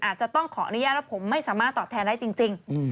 อาจจะต้องขออนุญาตว่าผมไม่สามารถตอบแทนได้จริง